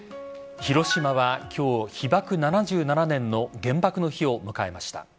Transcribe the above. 広島は今日、被爆７７年の原爆の日を迎えました。